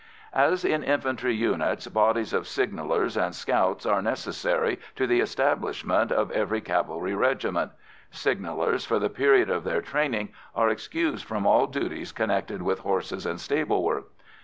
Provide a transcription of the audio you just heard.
As in infantry units, bodies of signallers and scouts are necessary to the establishment of every cavalry regiment. Signallers, for the period of their training, are excused from all duties connected with horses and stable work.